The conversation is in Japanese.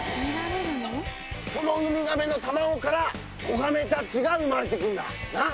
そのウミガメの卵から子ガメたちが産まれてくるんだ。